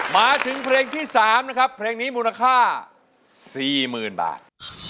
มาถึงเพลงที่๓นะครับเพลงนี้มูลค่า๔๐๐๐บาท